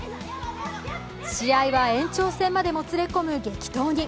試合は延長戦までもつれ込む激闘に。